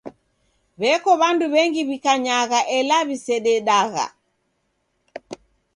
W'eko w'andu w'engi w'ikanyagha ela w'isededagha.